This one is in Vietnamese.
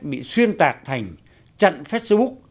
bị xuyên tạc thành trận facebook